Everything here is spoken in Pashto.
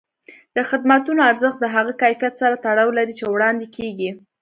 د خدمتونو ارزښت د هغه کیفیت سره تړاو لري چې وړاندې کېږي.